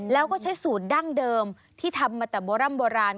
แล้วก็ใช้สูตรดั้งเดิมที่ทำมาแต่โบร่ำโบราณ